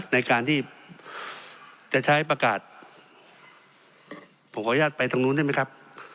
ในการที่จะใช้ประกาศผมขออนุญาตไปทางนู้นได้ไหมครับ